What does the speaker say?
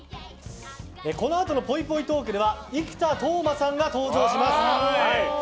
このあとのぽいぽいトークでは生田斗真さんが登場します。